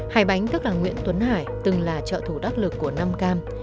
hải bánh tức là nguyễn tuấn hải từng là trợ thủ đắc lực của nam cam